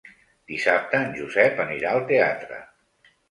Dissabte en Josep anirà al teatre.